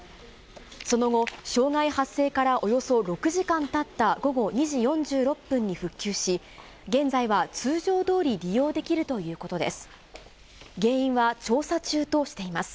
その後、障害発生からおよそ６時間たった午後２時４６分に復旧し、現在は通常どおり利用できるということです。